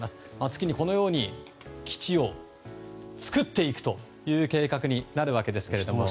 月に基地を作っていくという計画になるわけですけども。